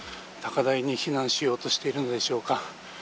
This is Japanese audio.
高台に避難しようとしているのでしょうか。